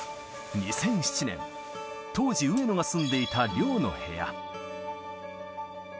２００７年、当時、上野が住んでいた寮の部屋。